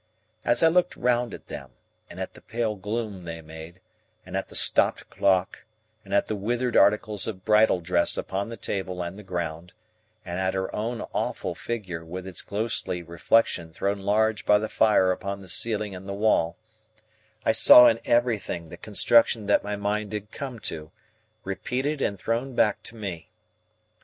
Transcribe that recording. As I looked round at them, and at the pale gloom they made, and at the stopped clock, and at the withered articles of bridal dress upon the table and the ground, and at her own awful figure with its ghostly reflection thrown large by the fire upon the ceiling and the wall, I saw in everything the construction that my mind had come to, repeated and thrown back to me.